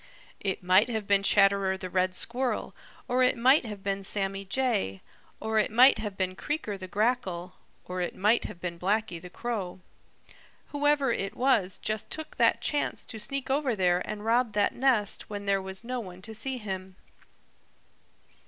It might leave been Chatterer the Red Squirrel, or it might have been Sammy Jay, or it might have been Creaker the Grackle, or it might have been Blacky the Crow. Whoever it was just took that chance to sneak over there and rob that nest when there was no one to see him."